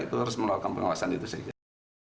itu harus mengeluarkan pengawasan itu saja